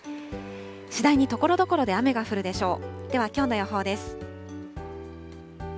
次第にところどころで雨が降るでしょう。